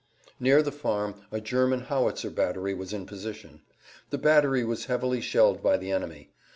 Near the farm a German howitzer battery was in position. The battery was heavily shelled by the enemy.